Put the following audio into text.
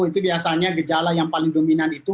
itu biasanya gejala yang paling dominan itu